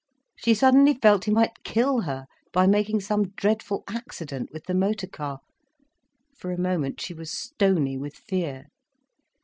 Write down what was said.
She suddenly felt he might kill her, by making some dreadful accident with the motor car. For a moment she was stony with fear.